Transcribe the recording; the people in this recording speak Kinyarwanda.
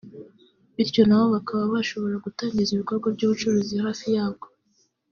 bityo nabo bakaba bashobora gutangiza ibikorwa by’ubucuruzi hafi yabwo